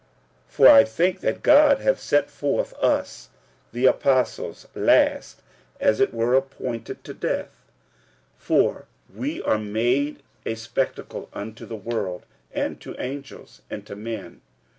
46:004:009 For I think that God hath set forth us the apostles last, as it were appointed to death: for we are made a spectacle unto the world, and to angels, and to men.